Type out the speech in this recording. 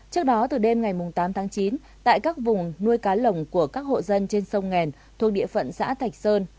trước đó từ đêm ngày tám tháng chín tại các vùng nuôi cá lồng của các hộ dân trên sông nghèn thuộc địa phận xã thạch sơn